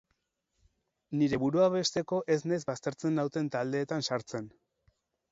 Nire burua babesteko ez naiz baztertzen nauten taldeetan sartzen.